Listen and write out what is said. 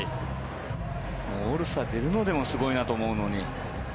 オールスター出るのでもすごいなと思うのに。